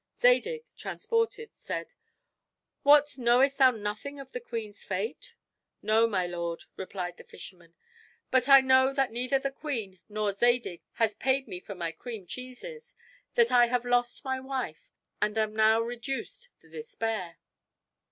Zadig, transported, said, "What, knowest thou nothing of the queen's fate?" "No, my lord," replied the fisherman; "but I know that neither the queen nor Zadig has paid me for my cream cheeses; that I have lost my wife, and am now reduced to despair."